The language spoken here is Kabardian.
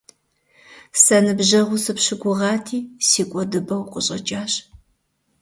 Сэ ныбжьэгъуу сыпщыгугъати, си кӀуэдыпӀэу укъыщӀэкӀащ.